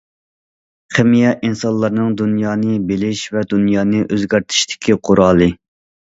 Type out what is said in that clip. خىمىيە ئىنسانلارنىڭ دۇنيانى بىلىش ۋە دۇنيانى ئۆزگەرتىشتىكى قورالى.